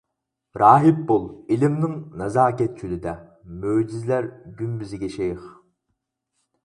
راھىب بول ئىلىمنىڭ نازاكەت چۆلىدە، مۆجىزىلەر گۈمبىزىگە شەيخ.